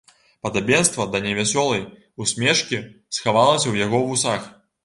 Падабенства да невясёлай усмешкі схавалася ў яго вусах.